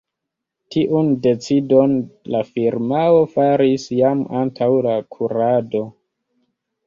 Tiun decidon la firmao faris jam antaŭ la kurado.